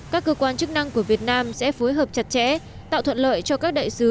các cơ quan chức năng của việt nam sẽ phối hợp chặt chẽ tạo thuận lợi cho các đại sứ